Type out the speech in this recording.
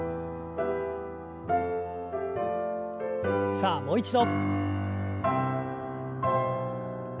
さあもう一度。